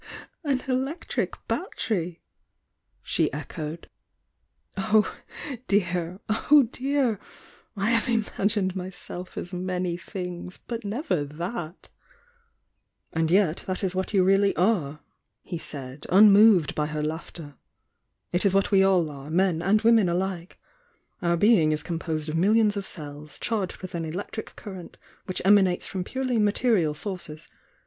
"An electric battery!" she echoed. "Oh, dear, oh, dear! I have imagined myself as many things, but never that!" "And yet that is what you really are," he said, un moved by her laughter. "It is what we all are, men and women alike. Our being is composed of mil lions of cells, charged with an electric current which emanates from purely material sources.